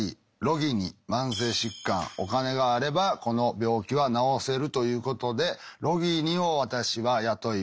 慢性疾患お金があればこの病気は治せるということでロギニを私は雇います。